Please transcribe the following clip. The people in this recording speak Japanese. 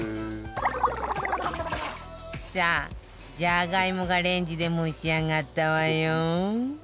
さあジャガイモがレンジで蒸し上がったわよ